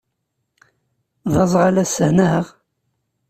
D aẓɣal ass-a, naɣ?